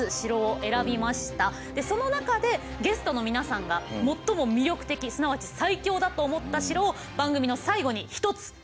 その中でゲストの皆さんが最も魅力的すなわち最強だと思った城を番組の最後に１つ決めて頂きたいと思います。